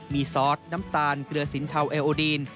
มีซอสน้ำตาลเกลือสินเทาเอโอดีน